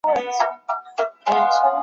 雷彦恭生年不详。